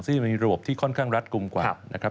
ซึ่งมีระบบที่ค่อนข้างรัดกลุ่มกว่านะครับ